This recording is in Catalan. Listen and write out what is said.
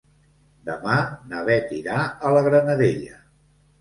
Demà na Beth irà a la Granadella.